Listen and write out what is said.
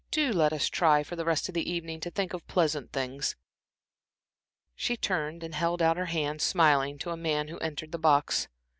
Do let us try, for the rest of the evening, to think of pleasant things." She turned and held out her hand, smiling, to a man who entered the box.